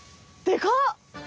でか！